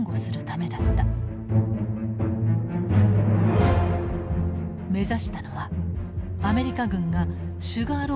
目指したのはアメリカ軍がシュガーローフと呼んだ小高い丘。